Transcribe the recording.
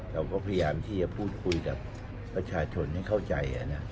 เราก็พยายามที่จะพูดคุยกับประชาชนให้เข้าใจ